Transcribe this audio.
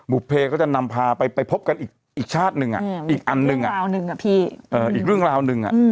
บุเภก็จะนำพาไปไปพบกันอีกอีกชาติหนึ่งอ่ะอีกอันหนึ่งอ่ะเรื่องราวหนึ่งอ่ะ